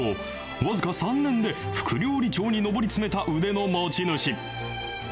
僅か３年で副料理長に上り詰めた腕の持ち主。